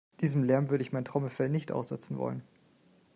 Diesem Lärm würde ich mein Trommelfell nicht aussetzen wollen.